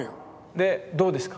でどうですか？